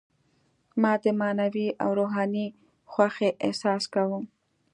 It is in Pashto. ما د معنوي او روحاني خوښۍ احساس کاوه.